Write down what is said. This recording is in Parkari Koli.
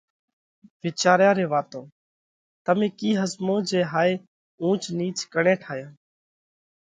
وِيچاريا ري واتون تمي ڪِي ۿزموه جي هائِي اُونچ نِيچ ڪيڻئہ ٺاياه؟